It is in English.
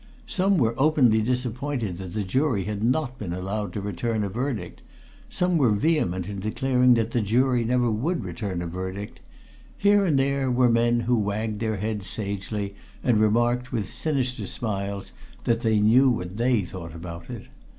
Some were openly disappointed that the jury had not been allowed to return a verdict; some were vehement in declaring that the jury never would return a verdict; here and there were men who wagged their heads sagely and remarked with sinister smiles that they knew what they thought about it.